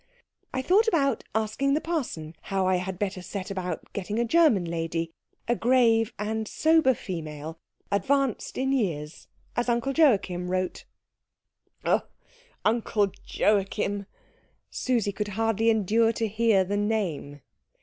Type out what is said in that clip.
I thought about asking the parson how I had better set about getting a German lady a grave and sober female, advanced in years, as Uncle Joachim wrote." "Oh, Uncle Joachim " Susie could hardly endure to hear the name.